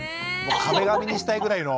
壁紙にしたいぐらいの。